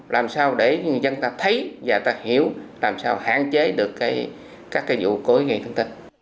làm sao để dân ta thấy và ta hiểu làm sao hạn chế được các cái vụ cối gây thân tích